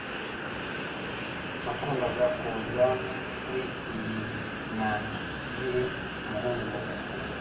Nakundaga kuza kuri iyi nyanja nkiri umuhungu